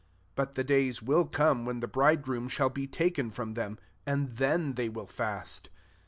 But the days will come when the bridegroom shall be taken from them; and then they will fast.